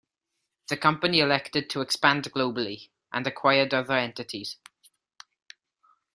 The company elected to expand globally, and acquired other entities.